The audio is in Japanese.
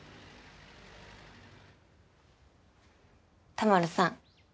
田丸さん